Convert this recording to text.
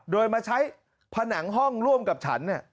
โดยมาใช้ผนังห้องร่วมกับฉัน